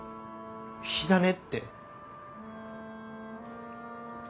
火種って？